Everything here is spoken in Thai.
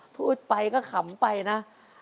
พูดไปก็ขำไปนะ